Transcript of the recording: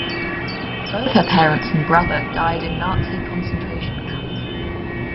Both her parents and brother died in Nazi concentration camps.